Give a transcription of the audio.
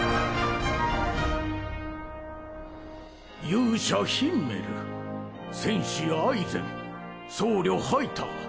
勇者ヒンメル戦士アイゼン僧侶ハイター